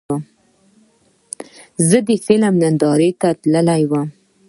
زه د فلم نندارې ته تللی وم.